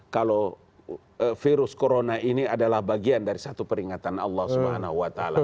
kalau virus corona ini adalah bagian dari satu peringatan allah swt